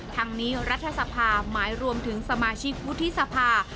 ทั้งนี้รัฐสภาหมายรวมถึงสมาชิกวุฒิสภา